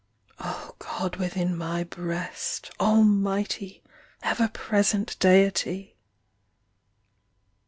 O God within my breast, Almighty, ever present Deity!